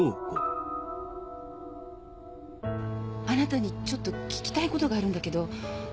あなたにちょっと聞きたいことがあるんだけど。